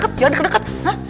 hei jangan dekat dekat